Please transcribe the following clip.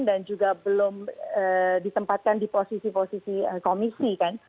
juga belum ditempatkan di posisi posisi komisi kan